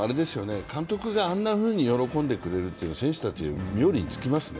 監督があんなふうに喜んでくれるっていうのは選手たちは冥利つきますよね。